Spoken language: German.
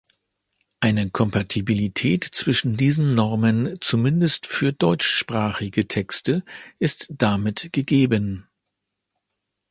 Eine Kompatibilität zwischen diesen Normen zumindest für deutschsprachige Texte ist damit gegeben.